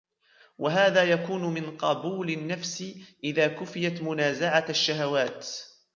وَهَذَا يَكُونُ مِنْ قَبُولِ النَّفْسِ إذَا كُفِيَتْ مُنَازَعَةَ الشَّهَوَاتِ